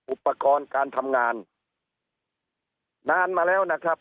อุปกรณ์การทำงานนานมาแล้วนะครับ